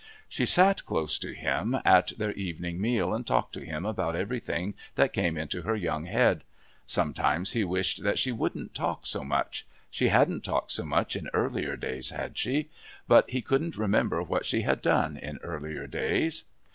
She sat close to him at their evening meal and talked to him about everything that came into her young head. Sometimes he wished that she wouldn't talk so much; she hadn't talked so much in earlier days, had she? But he couldn't remember what she had done in earlier days.